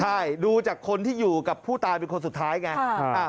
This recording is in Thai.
ใช่ดูจากคนที่อยู่กับผู้ตายเป็นคนสุดท้ายไง